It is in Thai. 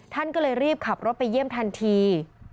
ท่านก็เลยรีบขับรถไปเยี่ยมทันที